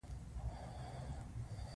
لرګی د تختې په شکل برابریږي.